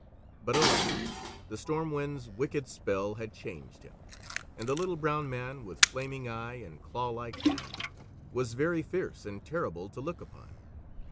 But alas! The Storm Wind's wicked spell had changed him, and the Little Brown Man with flaming eye and clawlike hand was very fierce and terrible to look upon.